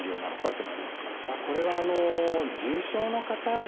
これは重症の方ですよね。